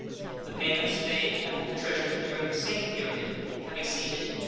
The payments made at the Treasury during the same period have exceeded $12.